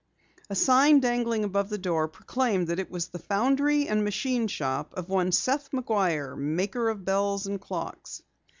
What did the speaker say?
A sign dangling above the door proclaimed that it was the foundry and machine shop of one Seth McGuire, maker of bells and clocks.